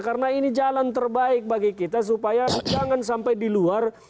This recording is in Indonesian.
karena ini jalan terbaik bagi kita supaya jangan sampai di luar